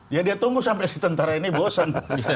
ya dia tunggu sampai si tentara ini bosan